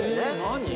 何？